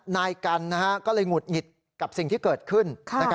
นายกันก็เลยหงุดหงิดกับสิ่งที่เกิดขึ้น